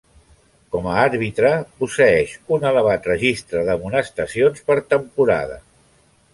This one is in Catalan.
Com a àrbitre, posseeix un elevat registre d'amonestacions per temporada.